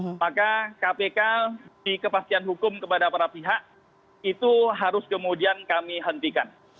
apakah kpk di kepastian hukum kepada para pihak itu harus kemudian kami hentikan